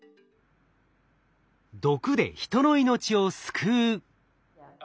毒で人の命を救う。